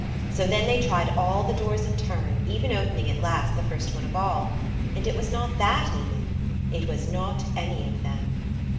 So then they tried all the doors in turn, even opening, at last, the first one of all. And it was not that, even. It was not any of them.